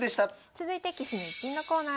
続いて「棋士の逸品」のコーナーです。